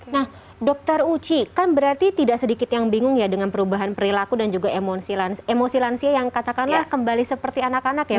nah dokter uci kan berarti tidak sedikit yang bingung ya dengan perubahan perilaku dan juga emosi lansia yang katakanlah kembali seperti anak anak ya